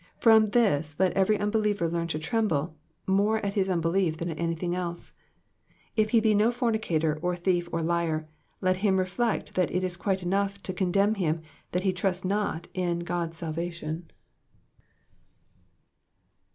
From this let every unbeliever learn to tremble more at his unbelief than at anything else. If ho be no fornicator, or thief, or liar, let him reflect that it is quite enough to condemn him that he trusts not in God's salvation.